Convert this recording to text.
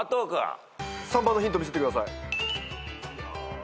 ３番のヒント見せてください。